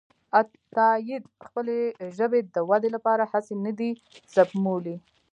عطاييد خپلې ژبې د ودې لپاره هڅې نه دي سپمولي.